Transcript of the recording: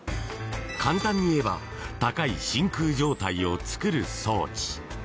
簡単に言えば高い真空状態を作る装置。